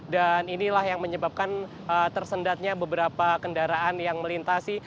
dan inilah yang menyebabkan tersendatnya beberapa kendaraan yang melintasi